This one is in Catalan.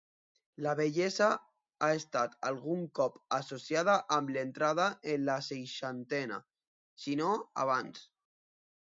La vellesa ha estat algun cop associada amb l'entrada en la seixantena, si no abans.